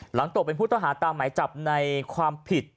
หลังตกเป็นพุทธตะหาตามไหมจับในความผิด